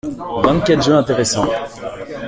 Vingt-quatre jeux intéressants.